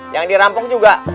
yang dirampok juga